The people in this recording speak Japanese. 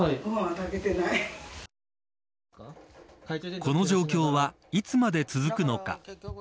この状況はいつまで続くのか。